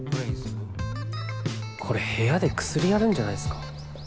これ部屋で薬やるんじゃないですか？